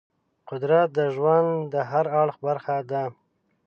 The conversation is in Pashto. قدرت د ژوند د هر اړخ برخه ده.